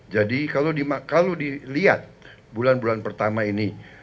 jadi kalau dilihat bulan bulan pertama ini